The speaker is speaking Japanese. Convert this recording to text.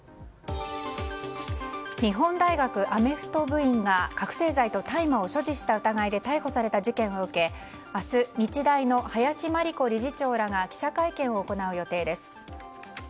日本大学アメフト部員が覚醒剤と大麻を所持した疑いで逮捕された事件を受け明日、日大の林真理子理事長らが記者会見を行う予定です。